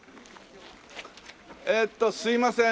えーっとすいません